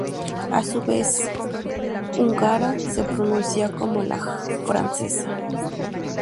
A su vez, la "zs" húngara se pronuncia como la "j" francesa.